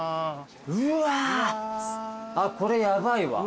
うわこれヤバいわ。